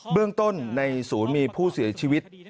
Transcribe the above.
เรื่องต้นในศูนย์มีผู้เสียชีวิต